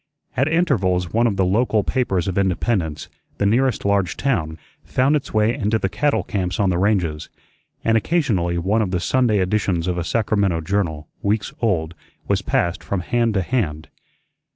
At intervals one of the local papers of Independence, the nearest large town, found its way into the cattle camps on the ranges, and occasionally one of the Sunday editions of a Sacramento journal, weeks old, was passed from hand to hand.